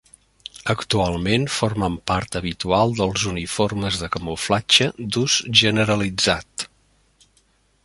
Actualment formen part habitual dels uniformes de camuflatge d'ús generalitzat.